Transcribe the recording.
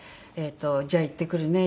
「じゃあ行ってくるね。